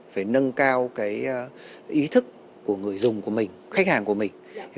phải nâng cao ý thức của người dùng của mình khách hàng của mình